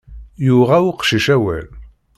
Yuɣa uqcic awal.